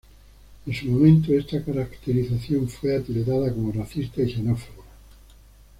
En su momento, esta caracterización fue tildada como racista y xenófoba.